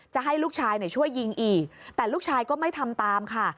จะให้ลูกชายช่วยยิงอีกแต่ลูกชายก็ไม่ทำตามค่ะ